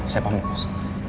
siapa mau bos